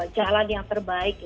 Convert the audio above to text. jalan yang terbaik